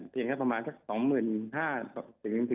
เพียงประมาณ๒๕๐๐๐๐๓๐๐๐๐บาท